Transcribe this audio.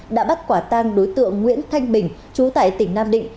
đã bắt quả tang đối tượng nguyễn thanh bình chú tại tỉnh nam định